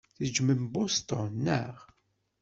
Tejjmem Boston, naɣ?